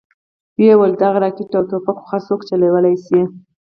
ويې ويل دغه راکټ او ټوپکې خو هرسوک چلوې شي.